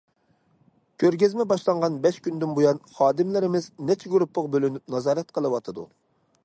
كۆرگەزمە باشلانغان بەش كۈندىن بۇيان، خادىملىرىمىز نەچچە گۇرۇپپىغا بۆلۈنۈپ نازارەت قىلىۋاتىدۇ.